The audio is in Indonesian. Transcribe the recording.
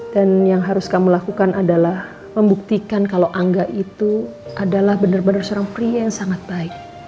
dan yang harus kamu lakukan adalah membuktikan kalau angga itu adalah benar benar seorang pria yang sangat baik